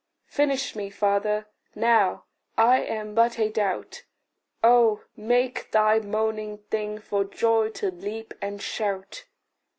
Finish me, Father; now I am but a doubt; Oh! make thy moaning thing for joy to leap and shout.